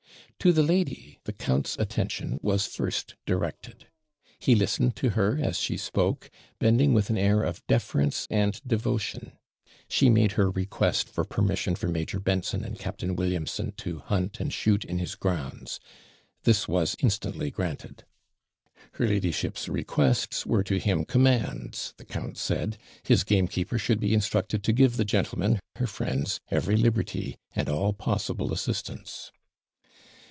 To the lady, the count's attention was first directed: he listened to her as she spoke, bending with an air of deference and devotion. She made her request for permission for Major Benson and Captain Williamson to hunt and shoot in his grounds; this was instantly granted. 'Her ladyship's requests were to him commands,' the count said. 'His gamekeeper should be instructed to give the gentlemen, her friends, every liberty, and all possible assistance.'